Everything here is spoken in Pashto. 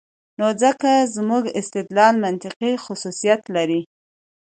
نو ځکه زموږ استدلال منطقي خصوصیت لري.